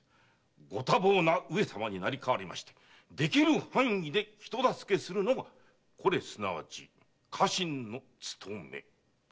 ご多忙な上様になり代わりましてできる範囲で人助けするのがこれすなわち家臣の務め。